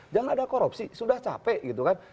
jangan ada korupsi sudah capek gitu kan